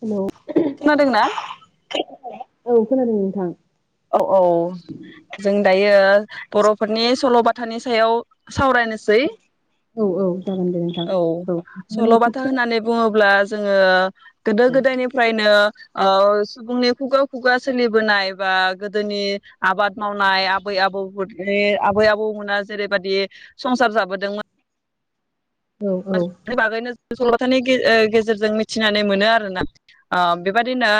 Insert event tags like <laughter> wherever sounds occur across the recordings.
Hello खोनादोंना औ खोनादों थां औ औ जों दायो बर'फोरनि सल'बाथा थानि सायाव सावरायनोसै औ औ जागोन दे नोंथां औ माने एसे सल'बाथा होननानै बुङोब्ला जोङो गोदो गोदायनिफ्रायनो अ सुबुंनि खुगा खुगा सोलिबोनाय बा गोदोनि आबाद मावनाय आबै आबौ फोरनि आबै आबौमोना जेरैबायदि संसार जाबोदोंमोन। औ औ <unintelligible> बागैनो सल'थानि ओ गेजेरजों मिथिनानै मोनो आरोना बेबादिनो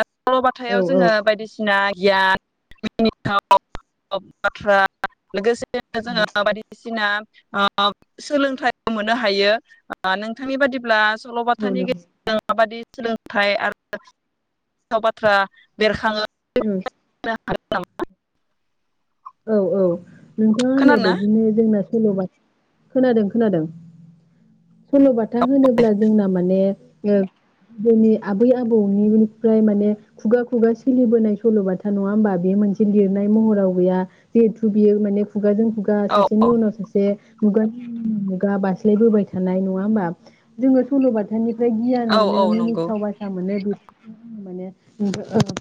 औ सल'बाथायाव जोङो बायदिसिना गियान मिनिथाव बाथ्रा लोगोसे जोङो बायदिसिना सिना अ सोलोंथाइ मोननो हायो। ओ नोंथांनि बादिब्ला औ सल'बाथानि गेजेरजों माबादि सोलोंथाइ आरो गोथाव बाथ्रा बेरखाङो औ औ नोंथाङा होननाय खोनादोंना बायदिनो जोंना धैनबाद खोनादों खोनादों सल'बाथा होनोब्ला जोंना माने गोदोनि आबै आबौनिफ्राय माने खुगा खुगा सोलिबोनाय सल'बाथा नङा होमबा बे मोनसे लिरनाय महराव गैया जिहेथु बियो माने खुगाजों खुगा औ सासेनि औ उनाव सासे मुगानि उनाव मुगा बास्लायबोबाय थानाय नङा होमबा जोङो सल'बाथानि निफ्राय गियान औ मोनो औ नंगौ मिनिथाव बाथ्रा मोनो माने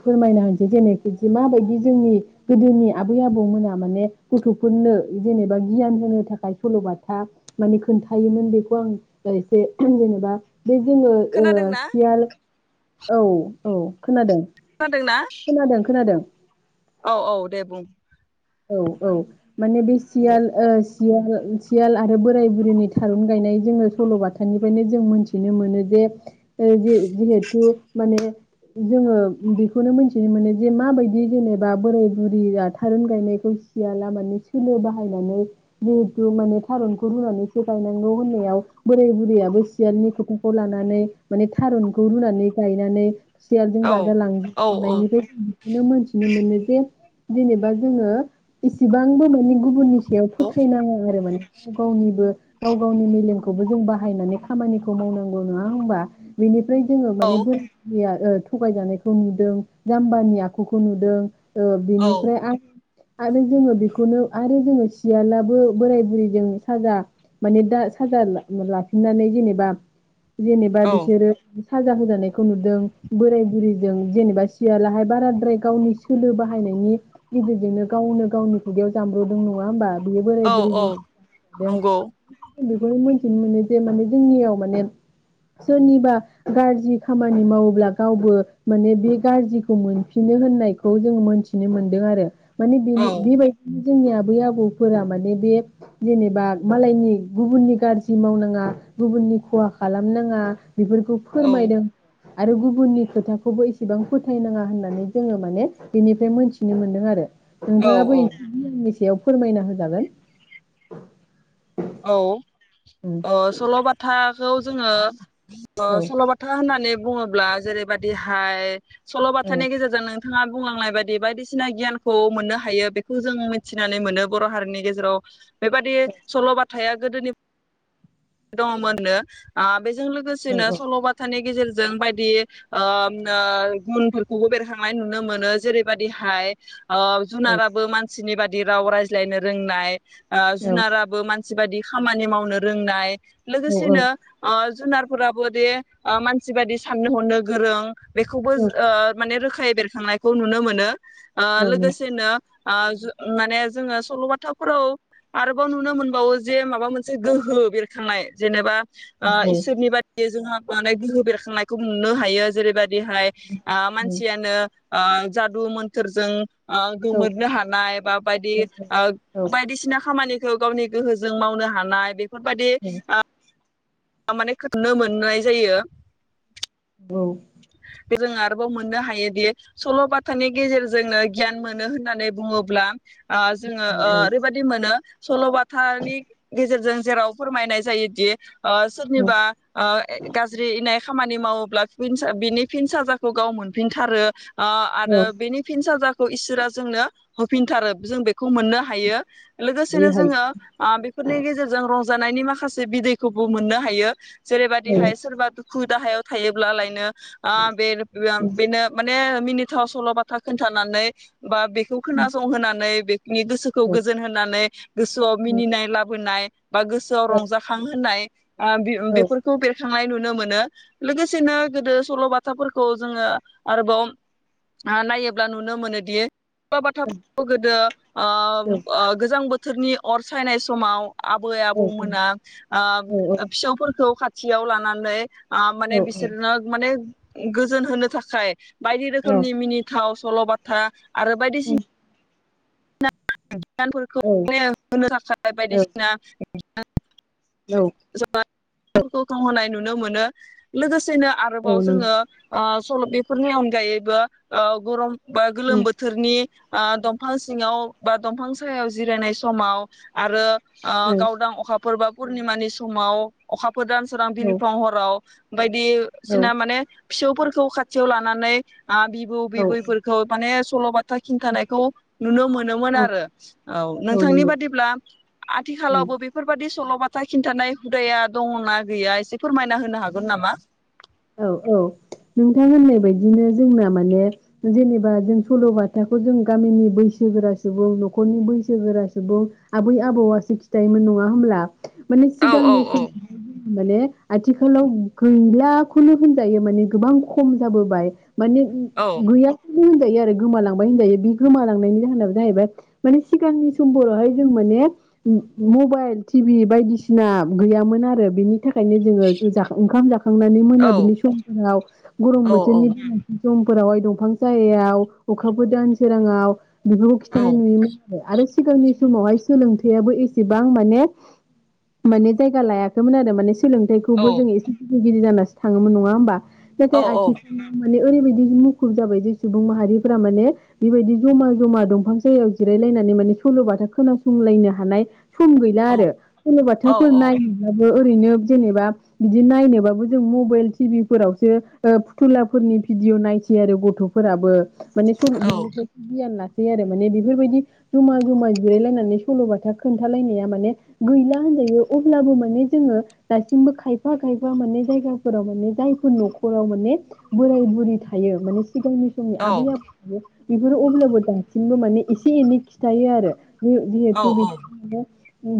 फोरमायना होनोसै जेनेखि माबायदि जोंनि गोदोनि आबै आबौमोना माने गथ'फोरनो जेनेबा गियान होनो थाखाय सल'बाथा माने खोन्थायोमोन बेखौ आं एसे जेनेबा बे जोङो ओ खोनादोंना सियाल औ औ खोनादों खोनादोंना खोनादों खोनादों औ औ दे बुं औ औ माने बे दे सियाल ओ सियाल आरो बोराय बुरिनि थारुन गायनाय जोङो सल'बाथानिफ्रायनो जों मोनथिनो मोनो जे जिहेथु माने जोङो बेखौनो मोनथि मोनो जे माबायदि जेनेबा बोराय बुरिया थारुन गायनाय सियाला माने सोलो बाहायनानै जिहेथु माने थारुनखौ रुनानैसो गायनांगौ होननायाव बोराय बुरैयाबो सियालनि खोथाखौ लानानै माने थारुनखौ रुनानै गायनानै सियारजों औ जाजालां औ औ जानायनिफ्राय बेखौनो मोनथिनो मोनो बे जेनेबा जोङो इसिबांबो ननि गुबुननि सायाव औ फोथायनाङा आरो माने गाव गावनिबो गाव गावनि मेलेमखौबो जों बाहायनानै खामानिखौ मावनांगौ नङा होमबा। बेनि ओमफ्राय जोङो औ माने बोराया ओ थगायजानायखौ नुदों जाम्बानि आखुखौ नुदों। औ बिनिफ्राय आं आरो जोङो बेखौनो आरो जोङो सियालाबो बोराय बुरैजों साजा माने दा साजा लाफिननानै जेनेबा जेनेबा औ बिसोरो साजा होजानायखौ नुदों बोराय बुरिजों जेनेबा सियालाहाय बाराद्राय गावनि सोलो बाहायनायनि गेजेरजोंनो गावनो गावनि खुगायाव जामब्रदों नङा होमबा बेयो बोराग औ औ बुरिजों नंगौ बेखौनो मोनथिनो मोनो जे माने जोंनियाव माने सोरनिबा गाज्रि खामानि मावोब्ला गावबो माने बे गाज्रिखौ मोनफिनो होननायखौ जों मोनथिनो मोनदों आरो। मानि औ बिनि बेबायदि जोंनि आबै आबौफोरा माने बे जेनेबा मालायनि गुबुननि गाज्रि मावनाङा गुबुननि खहा खालामनाङा बेफोरखौ फोरमायदों आरो गुबुननि खोथाखौबो एसेबां फोथायनाङा होननानै जोङो माने बेनिफ्राय मोनथिनो मोनदों आरो। औ नोंथाङाबो औ ए <unintelligible> सेआवब फोरमायना होजागोन। औ। उम अ सल' बाथाखौ जोङो ओ औ सल'बाथा होननानै ब बुङोब्ला जेरैबादि हाय सल' औ बाथानि गेजेरजों नोंथ थाङा बुंलांनाय बायदि बायदिसिना गियानखौ मोननो हायो बेखौ जों मिथिनानै मोनो बर' हारिनि गेजेराव बेबायदि सल' बाथ थाया गोदोनि <inaudible> दङमोननो आ बेजों लोगोसेनो औ सल'बाथानि गेजेरज जों बायदि ओ म नो गुनफोरखौबो बेरखांनाय नुनो मोनो जेरैबायदिहाय ओ औ जुनाराबो मानसिनि बाद दि राव रायज्लायनो रोंनाय ओ जुनाराबो मान नसि बायदि खामानि मावनो रोंनाय औ लोगोसेनो औ ओ जुनारफोराबो दे ओ मानसि बायदि साननो हरनो गोरों बेखौबोज औ ओ माने रोख खायै बेरखांनायखौ नुनो मोनो। ओ औ नों लोगोसेनो ओ जु माने जोङो सल'बाथाफोराव आरोबाव नुनो मोनबावो ज जे माबा मोनसे गोहो बेरखांनाय जेनेबा औ नंगौ औ ओ इसोरनि बादियै जोंहा माने गोहो बेरखांनायखौ नुनो हायो जेरैबा बिहाय ओ मानसियानो ओ जादु मोनथोरजों ओ गोमोरनो हानाय बा बायदि ओ औ बायदिसिना खामानि हो गावनि गोहोज जों मावनो हानाय बेख फोरबादि आ थार माने खोथनो मोननाय जायो। औ। बे जों आरोबाव मोननो हायोदि सल'बाथानि गेजेरजोंनो गियान मोनो होननानै बुङोब्ला ओ जोङो ओ - ओरैबायाददि मोनो सल'बा थानि गेजेरजों जेराव फोरमायनाय जायोदि ओ सोरनिबा ओ गाज्रि इनाय खामानि मावोब्ला <unintelligible> बिनि फिन साजाखौ गाव मोनफिनथारो ओ आरो बेनि फिनसाजा खौ इसोरा जोंनो होफिनथारो जों बे मोननो हायो लोगोसेनो जोङो ओ बेफोरनि गेजेरजों जानायनि माखासे बिदैखौबो मोननो हायो जेरैबायदिहाय सोरबा दुखु खु दाहायाव थायोब्ला लायनो ओ बे ओ बेनो माने मिनिथाव सल'बाथा खोन्थानानै बा बेखौ खोनासंहोनानै बे नि गोसोखौ गोजोन होनानै गोसोआव मिनिनाय लाबोनाय बा गोसोआव रंजाखां होननाय ओ बि बेफोरखौ बेरखांनाय नु नुनोमोनो लोगोसेनो गोदो सल'बाथाफोरखौ जोङो आरोबाव नायोब्ला नुनो मोनोदि बाथाफोरखौ गोदो ओ ओ गोजां बो थोरनि अर सायनाय समाव आबै आबौमोना ओ फिसौफोरखौ खाथि थियाव लानानै ओ माने बिसोरनो माने गोजोन होनो थाखाय बायदि रोखोमनि मिनिथाव सल' बथा आरो बायदिसिन <unintelligible> गियानफोरखौ माने होनो थाखाय बायदिसिना <unintelligible> औ <unintelligible> होनाय नुनो मोनो लोगोसे सेनो आरोबाव जों ओ सल' बेफोरनि अनगायैबो ओ गरम। बा गोलोम बोथोरनि। ओ दंफान। सिङाव बा दंफां सायाव जिरायनाय समाव आरो। गावदां अखाफोरबा। पुर्निमानि समाव अखा। फोर दानसोरां बिलिफां हराव। बायदिसिना माने। फिसौफोरखौ खाथियाव लानानै। बिबौ बिबैफोरखौ माने। सल' बाथा। था खिनथानायखौ। नुनो मोनोन आरो औ नोंथांनि बादिब्ला ओं आथिखालावबो बेफोरबायादि। सल'बाथा खिन्थानाय हुदाया दंना गैया एसे फोरमायना होनो हागोन नामा। औ औ नोंथां होननाय बायदिनो जोंना माने जेनेबा जों सल'बाथाखौ जों गामिनि बैसोगोरा सुबुं न'खरनि बैसोगोरा सुबुं आबै आबौआसो खिथायोमोन नङा होमब्ला। माने औ औ सिगांनि औ सम। माने आथिखालाव गैला। खुनु होनजायो माने गोबां खम जाबोबाय। माने औ गैया। होनजायो आरो गोमालांबाय होनजायो बे गोमालांनायनि जाहोनाबो जाहैबाय माने सिगांनि समफोरावहाय जों माने मबाइल टिभि बायदिसिना गैयामोन आरो बिनि। नि थाखायनो जोङो ओंखाम जाखांनानै औ मोनो। लि समफोराव गरम औ बोथोरनि। समफोरावहाय दंफां सायाव अखाबो दान सोराङाव। बेफोरखौ औ खिन्थानाय नुयोमोन आरो आरो। सिगांनि समावहाय सोलोंथाइयाबो एसेबां माने माने जायगा लायाखैमोन आरो मान। सोलोंथाइखौबो जोङो एसे। बिदि जाना। थाङोमोन नङा होमबा। नाथाय औ औ आथिखालाव माने। ओरैबायदि मुखुब जाबाय जे सुबुं माहारिफोरा माने बेबायदि जमा जमा दंफां सायाव जिरायलायनानै माने सल'बाथा खोनासंलायनो हानाय। सम गैला औ आरो सल' औ बाथाफोर नायैनोबो। ओरैनो जेनेबा बिदि नायनोबाबो। जों मबाइल टिभि फोरावसो ओ फुथुलाफोरनि भिदिअ नायसै आरो गथ'फोराबो। माने फोरबो बिनिफ्राय गियान ला। आरो माने बेफोरबायदि जमा जमा जिरायलायनानै सल'बाथा खोन्थालायनाया माने गैला होनजायो अब्लाबो माने जोङो दासिमबो खायफा खायफा माने जायगाफोराव माने जायफोर न'खराव माने बोराय बुरि थायो माने सिगांनि समनि आबै आबौनि बेफोरो अब्लाबो दासिमबो माने एसे एनै खिथायोआरो जे औ जेहेथु औ बि-बिसोरबो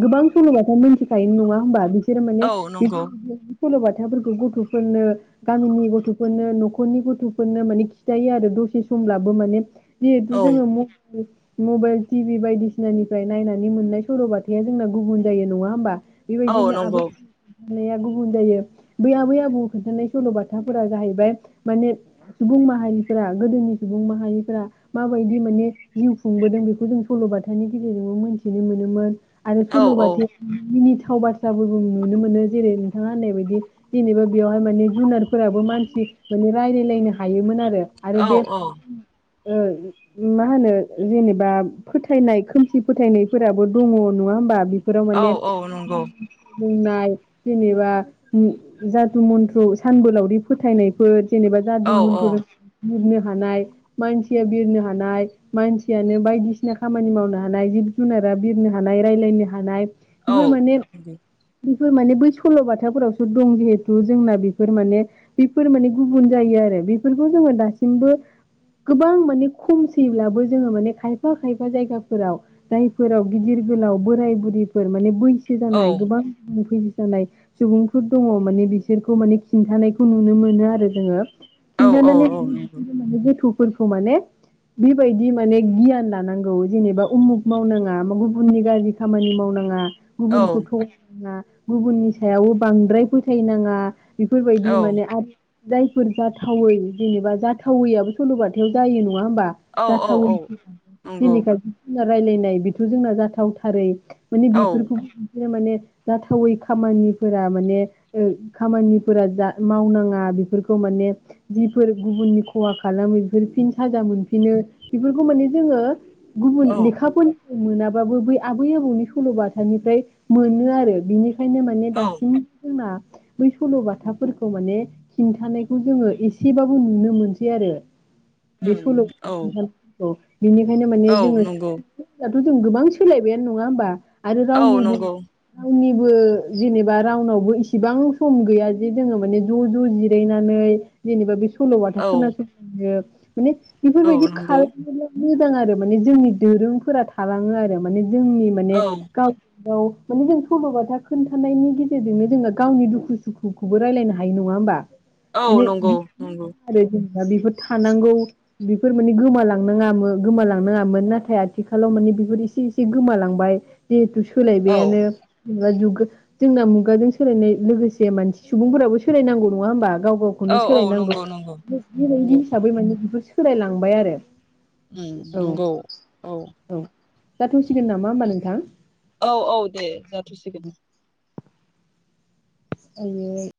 गोबां सलबाथ' मिथिखायो नङा होनबा बि सोरमाने औ बिदि नंगौ बिदिअ सल' बाथफोर गथ'फोरनो गामिनि गथ'फोरनो न'खरनि गथ'फोरनो माने खिथायो आरो दसे समब्लाबो माने जेहेतु औ जोङो मबाइल टिभि बायदिसिनानिफ्राय नायनानै मोननाय सल'बाथाया जोंना गुबुन जायो नङा होमबा औ बेबायदिनो आबै नंगौ नाया गुबुन जायो बै आबै आबौ खोन्थानाय सल'बाथाफोरा जाहैबाय माने सुबुं माहारिफोरा गोदोनि सुबुं माहारिफोरा माबायदि माने जिउ खुंबोदों बेखौ जों सल'बाथानि गेजेरजोंबो मिथिनो मोनोमोन। आरो औ सल'बाथाया थामजि मिनिट थाव बाथ्राबो बुंनो मोनो मोनो जेरै नोंथाङा होननाय बायदि जेनेबा बेवहाय माने जुनारफोराबो मानसि माने रायलायलायनो हायोमोनआर रो आरो औ बे ओ मा होनो जेनेबा फोथायनाय खोमसि फोथायनायफोराबो दङ नङा होमबा फोराव औ माने औ नंगौ बुंनाय जेनेबा जाथु मन्थ्र' सानबोलावरि फोथायनायफोर जेनेबा औ जादु औ मनथुर बिरनो हानाय मानसिया बिरनो हानाय मानसियानो बायदिसिना खामानि मावनो हानाय जिब जुनारा बिरनो हानाय रायलायनो हानाय औ बिफोर माने फोर माने बै सल' बाथाफोराव सो दं जिहेतु जोंना बेफोर माने बेफोर माने गुबुन जायो आरो बेफोरखौ जोङो दासिमबो गोबां माने खमसैब्लाबो जोङो माने खायफा खायफा जायगाफोराव जायफोराव गिदिर गोलाव बोराय बुरिफोर माने बै सो औ जानाय गोबां नुफैयो होनाय सुबुं फोर दङ माने बिसोरखौ माने खिन्थानायखौ नुनो मोनो आरो जोङो औ नंगौ औ नंगौ <unintelligible> फोरखौ माने बेबायदि माने गियान लानांगौ जेनेबा उमुख मावनाङा गुबुननि गाज्रि खामानि मावनाङा गुबुनखौ थगायनाङा गुबुननि सायाव बांद्राय फोथायनाङा बेफोरबायदि माने आर जायफोर जाथावै जेनेबा जाथावैआबो सलबाथायाव जायो न नङा होमबा जाथाव दिनेखा जा रायलायनाय बेथ जोंना जाथावथारै माने औ बेफोरखौबो बिसोर माने जाथावै खामानि फोरा माने ओ खामानिफोरा जा मावनाङा बेफोरखौ माने जिफोर गुबुननि खहा खालामो बेफोर फिन साजा मोनफिनो बेफोरखौ माने जोङो गुबुन औ लेखाफोर मोनाबाबो बै आबै आबौनि सलबाथानिफ्राय मोनो आरो बिनिखा खायनो माने दा औ जोंना बै सलबाथाफोरखौ माने खिन्थानायखौ जोङो एसेबाबो नुनो मोनसै आरो बेथ नंगौ उम औ नोंथां नं गौ बिनिखायनो माने औ जोङो नंगौ थ जों गोबां सोलायबायानो नङा होमबा आरो औ रावनिबो नंगौ रावनिबो जेने बा रावनावबो एसेबां सम गैयाजे जोङो माने ज ज जिरनानै जेनबा सलबाथा औ खोनासं नो माने औ बेफोरबायदि नंगौ खालामोब्ला मोजां आरो माने जोंनि दोरोंफोरा थालाङो आरो माने जोंनि माने औ गाव गाव माने जों सलबाथा खोन्थानायनि गेजेरजोंनो जोङो गावनि दुखु सुखुखौबो रायज्लायनो हायो नङा होमबा औ माने नंगौ नंगौ <unintelligible> दा बेफोर थानांगौ बेफोर माने गोमालांनाङामो गोमालांनाङामोन नाथाय आथिखालाव माने बेफोर एसे एसे गोमालांबाय जिहेथु औ सोलायबायानो एबा जुग गो जोंना मुगाजों सोलायनाय लोगोसे मानसि सुबुंफोराबो सोलायनांगौ नङा होमबा गाव गावखौनो औ औ सोलायनांगौ नंगौ नंगौ बे-बेबायदि नंगौ हिसाबै माने बेफोर सोलायलांबाय आरो उम औ नंगौ औ जाथ'सिगोन नामा होमबा नोंथां औ औ दे जाथसिगोन आयोय